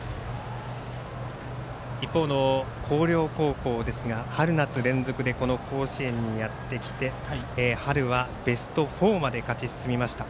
一方の広陵高校ですが春夏連続で甲子園にやってきて春はベスト４まで勝ち進みました。